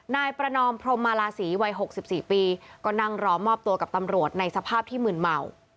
นายประนอมพรมมาลาศีวัย๖๔ปีก็นั่งรอมอบตัวกับตำรวจในสภาพที่มืนเมา